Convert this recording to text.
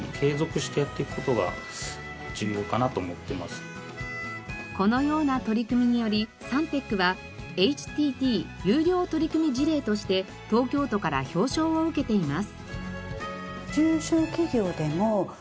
それほどこのような取り組みによりサンテックはＨＴＴ優良取組事例として東京都から表彰を受けています。